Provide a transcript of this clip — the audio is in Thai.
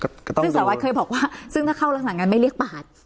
ซึ่งสวัสดิ์เคยบอกว่าซึ่งถ้าเข้าหลังกันไม่เรียกปาก